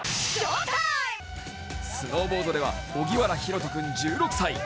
スノーボードでは荻原大翔君１６歳。